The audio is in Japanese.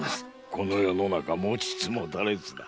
この世の中持ちつ持たれつだ。